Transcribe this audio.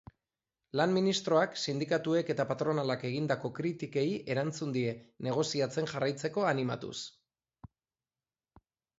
Lan ministroak sindikatuek eta patronalak egindako kritikei erantzun die, negoziatzen jarraitzeko animatuz.